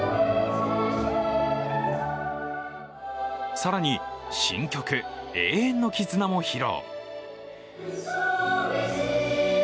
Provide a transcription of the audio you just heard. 更に新曲「永遠の絆」も披露。